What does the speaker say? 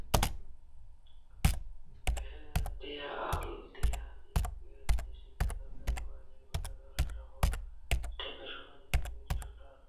ফেহাইদ আলদিহানিকুয়েত নিষিদ্ধ থাকায় আইওসির পতাকাতলে ডাবল ট্র্যাপে সোনা জিতে কুয়েতি শ্যুটার।